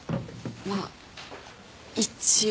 まあ一応。